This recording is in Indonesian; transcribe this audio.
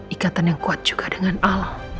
ikatan yang kuat juga dengan alam